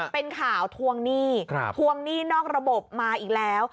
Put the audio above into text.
เป็นข่าวทวงหนี้ทวงหนี้นอกระบบมาอีกแล้ว